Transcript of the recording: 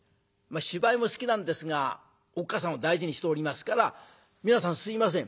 芝居も好きなんですがおっ母さんを大事にしておりますから「皆さんすいません。